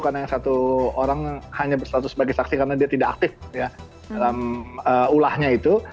karena yang satu orang hanya berstatus sebagai saksi karena dia tidak aktif dalam ulahnya itu